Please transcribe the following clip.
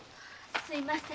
すみません。